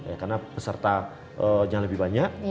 ya karena peserta yang lebih banyak